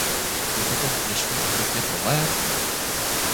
Je toto v dnešní Evropě problém?